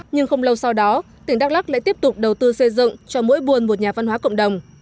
nhưng không lâu sau đó tỉnh đắk lắc lại tiếp tục đầu tư xây dựng cho mỗi buôn một nhà văn hóa cộng đồng